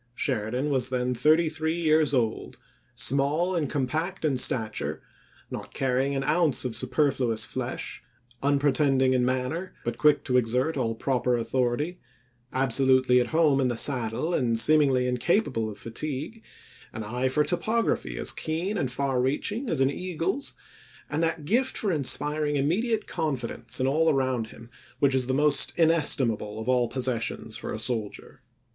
Sheridan was then thirty three years old ; small and compact in stature, not carrying an ounce of superfluous flesh ; unpretending in manner, but quick to exert all proper authority ; absolutely at home in the saddle and seemingly incapable of fatigue; an eye for topography as keen and far reaching as an eagle's ; and that gift for inspiring immediate confidence in all around him which is the most inestimable of all possessions for a soldier.